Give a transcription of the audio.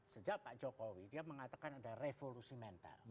sejak pak jokowi dia mengatakan ada revolusi mental